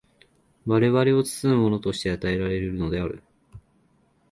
我々を包むものとして与えられるのである。